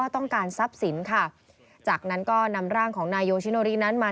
ต้องการทรัพย์สินค่ะจากนั้นก็นำร่างของนายโยชิโนรินั้นมา